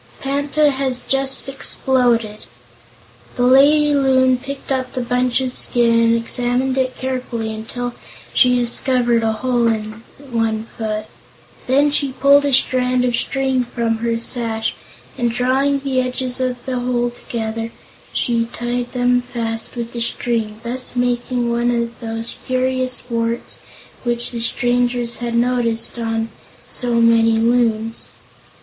"Panta has just exploded." The lady Loon picked up the bunch of skin and examined it carefully until she discovered a hole in one foot. Then she pulled a strand of string from her sash, and drawing the edges of the hole together, she tied them fast with the string, thus making one of those curious warts which the strangers had noticed on so many Loons.